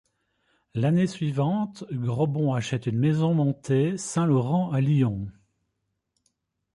L’année suivante, Grobon achète une maison montée Saint-Laurent à Lyon.